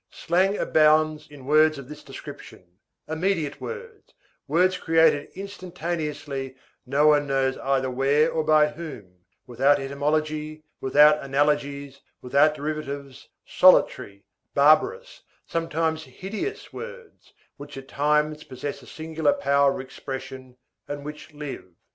Slang abounds in words of this description, immediate words, words created instantaneously no one knows either where or by whom, without etymology, without analogies, without derivatives, solitary, barbarous, sometimes hideous words, which at times possess a singular power of expression and which live.